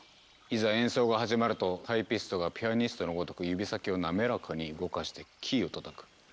いざ演奏が始まるとタイピストがピアニストのごとく指先を滑らかに動かしてキーを叩く。